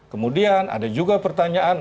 kemudian ada juga pertanyaan